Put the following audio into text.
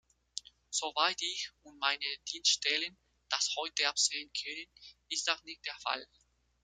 Soweit ich und meine Dienststellen das heute absehen können, ist das nicht der Fall.